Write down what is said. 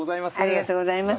ありがとうございます。